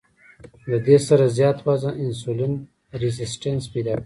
د دې سره زيات وزن انسولين ريزسټنس پېدا کوي